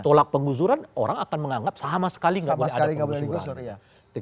tolak pengusuran orang akan menganggap sama sekali nggak boleh ada penggusuran